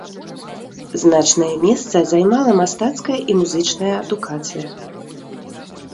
Значнае месца займала мастацкая і музычная адукацыя.